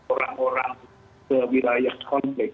orang orang ke wilayah konflik